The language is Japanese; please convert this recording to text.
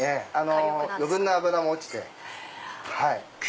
余分な脂も落ちて。